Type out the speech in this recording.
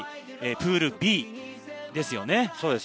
プールＢですね。